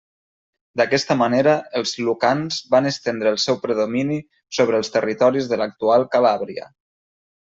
D'aquesta manera els lucans van estendre el seu predomini sobre els territoris de l'actual Calàbria.